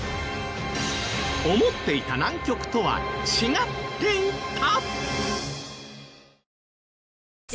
思っていた南極とは違っていた！？